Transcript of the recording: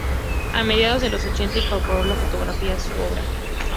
A mediados de los ochenta incorporó la fotografía a su obra.